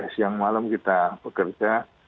siang malam kita bekerja